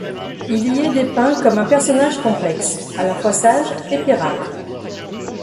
Il y est dépeint comme un personnage complexe, à la fois sage et pirate.